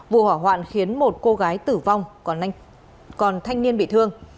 vụ hỏa hoạn khiến một cô gái tử vong còn thanh niên bị thương